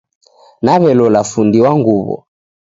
Naw'elola fundi wa nguw'o.